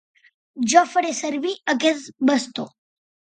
Jo faré servir aquest bastó.